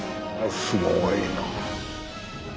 すごいな。